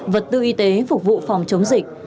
vật tư y tế phục vụ phòng chống dịch